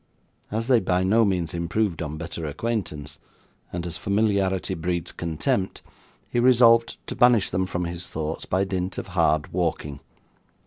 As they by no means improved on better acquaintance, and as familiarity breeds contempt, he resolved to banish them from his thoughts by dint of hard walking.